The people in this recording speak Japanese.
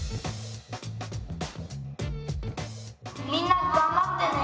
「みんながんばってね！」。